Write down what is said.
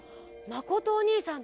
まことおにいさん！